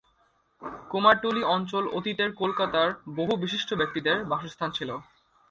কুমারটুলি অঞ্চল অতীতের কলকাতার বহু বিশিষ্ট ব্যক্তির বাসস্থান ছিল।